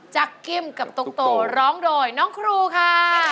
จักกิ่มกับตกโตร้องโดยน้องครูค่ะ